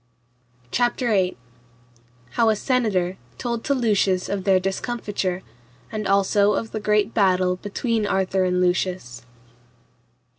CHAPTER VIII. How a senator told to Lucius of their discomfiture, and also of the great battle between Arthur and Lucius.